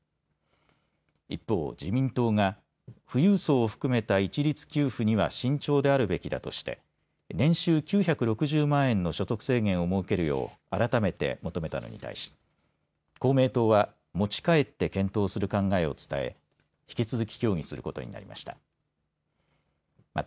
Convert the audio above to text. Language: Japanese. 一方、自民党が富裕層を含めた一律給付には慎重であるべきだとして年収９６０万円の所得制限を設けるよう改めて求めたのに対し公明党は持ち帰って検討する考えを伝え、引き続き協議することになりました。